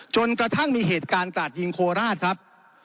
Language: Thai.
จนกระทั่งมีเหตุการณ์กราดยิงโคราชครับ